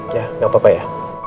ya nggak apa apa ya